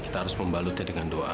kita harus membalutnya dengan doa